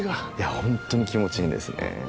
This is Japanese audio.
ホントに気持ちいいんですね。